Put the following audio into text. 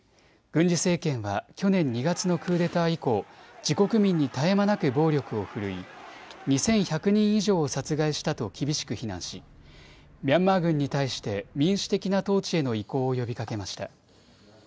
軍事政権は去年２月のクーデター以降、自国民に絶え間なく暴力を振るい２１００人以上を殺害したと厳しく非難しミャンマー軍に対して民主的な統治への移行を呼びかけました。